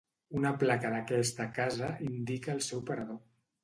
Una placa d’aquesta casa indica el seu parador.